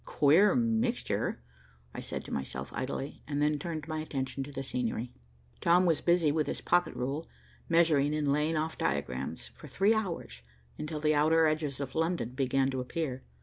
"Queer mixture," I said to myself idly, and then I turned my attention to the scenery. Tom was busy with his pocket rule, measuring and laying off diagrams, for three hours, until the outer edges of London began to appear.